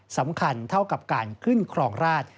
สำคัญเท่ากับการขึ้นครองราช